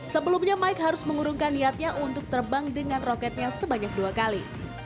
sebelumnya mike harus mengurungkan niatnya untuk terbang dengan roketnya sebanyak dua kali